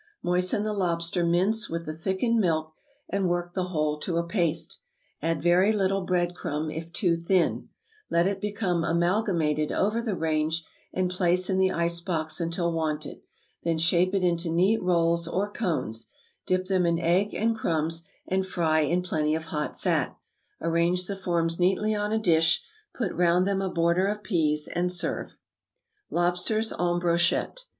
Moisten the lobster mince with the thickened milk, and work the whole to a paste; add very little bread crumb if too thin; let it become amalgamated over the range, and place in the ice box until wanted; then shape it into neat rolls or cones; dip them in egg and crumbs, and fry in plenty of hot fat. Arrange the forms neatly on a dish, put round them a border of pease, and serve. =Lobsters en Brochette.